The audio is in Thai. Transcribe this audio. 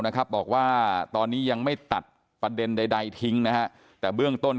นะครับบอกว่าตอนนี้ยังไม่ตัดประเด็นใดทิ้งนะฮะแต่เบื้องต้น